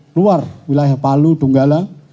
keluar wilayah palu donggala